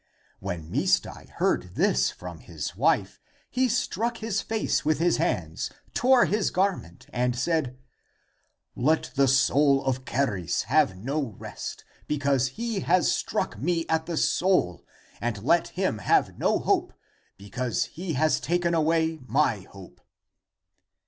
When Misdai heard this from his wife, he struck his face with the hands, tore his garment, and said, " Let the soul of Charis have no rest, because he has struck me at the soul, and let him have no hope, be ACTS OF THOMAS 337 cause he has taken away my hope."